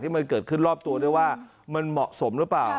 มันเกิดขึ้นรอบตัวด้วยว่ามันเหมาะสมหรือเปล่า